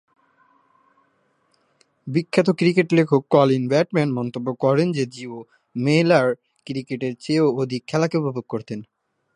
বিখ্যাত ক্রিকেট লেখক Colin Bateman মন্তব্য করেন যে, জিওফ মিলার ক্রিকেটের চেয়েও অধিক খেলাকে উপভোগ করতেন।